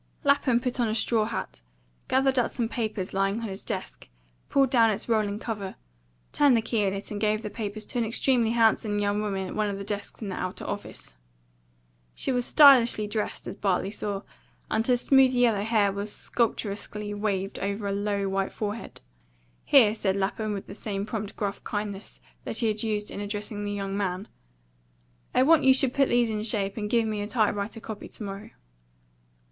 Lapham put on a straw hat, gathered up some papers lying on his desk, pulled down its rolling cover, turned the key in it, and gave the papers to an extremely handsome young woman at one of the desks in the outer office. She was stylishly dressed, as Bartley saw, and her smooth, yellow hair was sculpturesquely waved over a low, white forehead. "Here," said Lapham, with the same prompt gruff kindness that he had used in addressing the young man, "I want you should put these in shape, and give me a type writer copy to morrow."